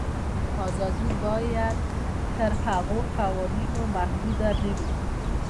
آزادي باید تر هغو قوانینو محدوده نه وي.